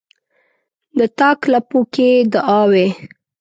د تاک لپو کښې دعاوې،